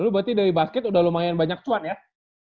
lu berarti dari basket udah lumayan banyak yang masuk